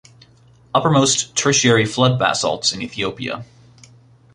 Uppermost Tertiary flood basalts in Ethiopia.